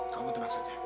kamu itu maksudnya